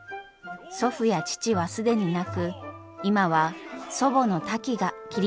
祖父や父は既になく今は祖母のタキが切り盛りしています。